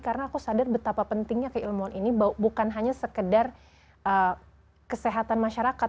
karena aku sadar betapa pentingnya keilmuan ini bukan hanya sekedar kesehatan masyarakat